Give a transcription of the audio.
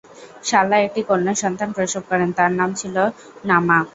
সালা একটি কন্যা সন্তান প্রসব করেন, তার নাম ছিল নামা।